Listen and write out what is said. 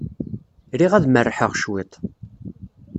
Riɣ ad merrḥeɣ cwiṭ.